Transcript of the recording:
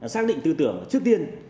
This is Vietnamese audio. xác định tư tưởng trước tiên